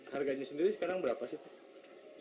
harganya sendiri sekarang berapa sih pak